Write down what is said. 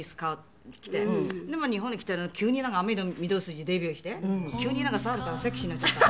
でも日本に来たら急に『雨の御堂筋』でデビューして急になんか猿からセクシーになっちゃった。